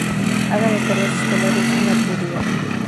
Haga las tareas escolares una prioridad.